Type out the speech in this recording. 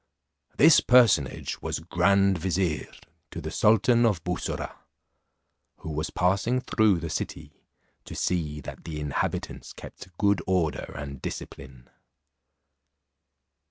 This personage was grand vizier, to the sultan of Bussorah, who was passing through the city to see that the inhabitants kept good order and discipline.